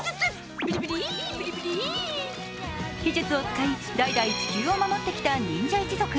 秘術を使い代々地球を守ってきた忍者一族。